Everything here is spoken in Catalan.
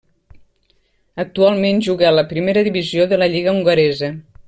Actualment juga a la primera divisió de la lliga hongaresa.